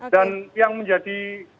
dan yang menjadi